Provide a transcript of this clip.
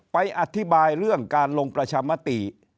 ไปอธิบายเรื่องการลงประชามติ